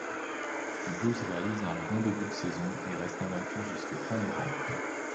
Les blues réalisent un bon début de saison et restent invaincus jusque fin novembre.